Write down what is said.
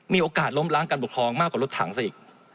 มีโอกาสล้มล้างกันบุคลองมากกว่ารถถังสิ